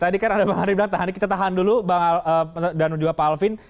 tadi kan ada mbak andre bilang tahan dikit kita tahan dulu dan juga pak alvin